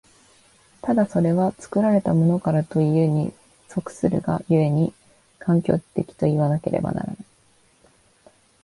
ただそれは作られたものからというに即するが故に、環境的といわねばならない。